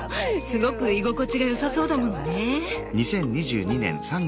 すごく居心地が良さそうだものね。